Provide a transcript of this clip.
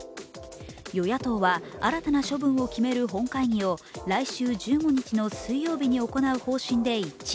与野党は新たな処分を決める本会議を来週１５日の水曜日に行う方針で一致。